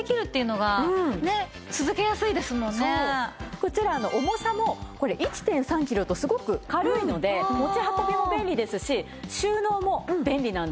こちら重さも１．３キロとすごく軽いので持ち運びも便利ですし収納も便利なんです。